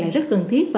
là rất cần thiết